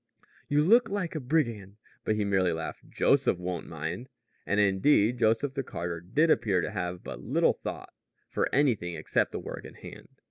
"You look like a brigand." But he merely laughed: "Joseph won't mind." And, indeed, Joseph the carter did appear to have but little thought for anything except the work in hand.